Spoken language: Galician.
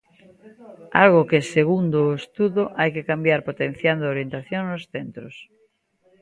Algo que, segundo o estudo, hai que cambiar potenciando a orientación nos centros.